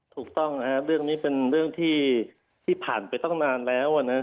ถูกต้องเรื่องนี้เป็นเรื่องที่ผ่านไปตั้งนานแล้วนะ